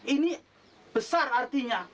ini besar artinya